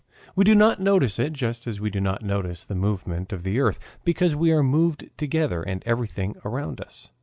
We do not notice it just as we do not notice the movement of the earth, because we are moved together with everything around us.